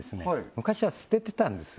昔は捨ててたんですよ